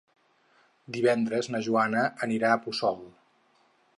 Divendres na Joana anirà a Puçol.